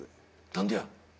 何でや？